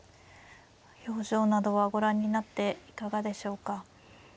表情などはご覧になっていかがでしょうか。